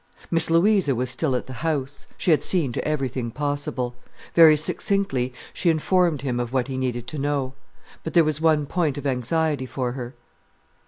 Miss Louisa was still at the house. She had seen to everything possible. Very succinctly, she informed him of what he needed to know. But there was one point of anxiety for her.